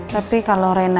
tapi kalau renanya